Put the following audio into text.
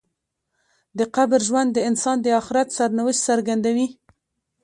د قبر ژوند د انسان د آخرت سرنوشت څرګندوي.